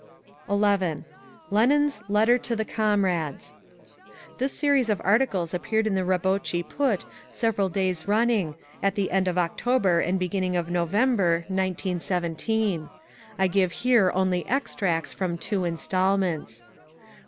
_ 11. LENIN's "LETTER TO THE COMRADES" This series of articles appeared in Rabotchi Put several days running, at the end of October and beginning of November, 1917. I give here only extracts from two instalments: 1.